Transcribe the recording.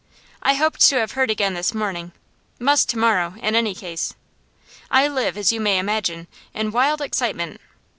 I hoped to have heard again this morning must to morrow, in any case. I live, as you may imagine, in wild excitement.